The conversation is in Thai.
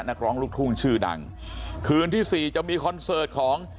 นักร้องลูกทุ่งชื่อดังคืนที่สี่จะมีคอนเสิร์ตของ